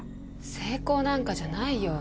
成功なんかじゃないよ。